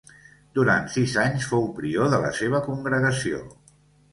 Durant sis anys fou prior de la seva congregació.